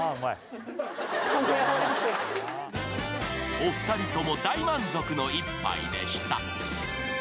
お二人とも大満足の一杯でした。